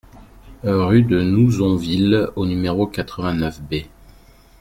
Rue de Nouzonville au numéro quatre-vingt-neuf B